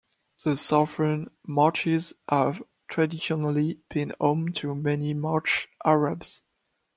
The southern marshes have traditionally been home to many Marsh Arabs.